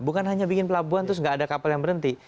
bukan hanya bikin pelabuhan terus nggak ada kapal yang berhenti